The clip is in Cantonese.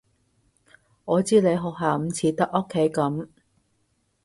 我知你學校唔似得屋企噉